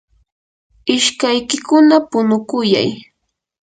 ishkaykikuna punukuyay.